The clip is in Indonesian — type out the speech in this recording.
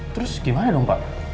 terus gimana dong pak